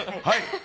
はい！